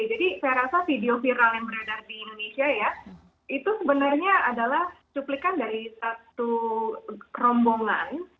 jadi saya rasa video viral yang beredar di indonesia ya itu sebenarnya adalah cuplikan dari satu rombongan